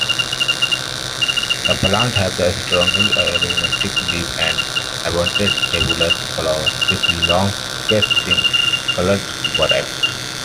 The plants have strongly aromatic leaves and abundant tubular flowers with long-lasting coloured bracts.